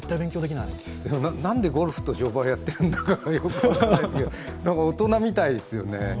なんでゴルフと乗馬をやっているのかよく分からないですけど、なんか大人みたいですよね。